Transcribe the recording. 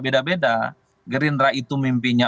beda beda gerindra itu mimpinya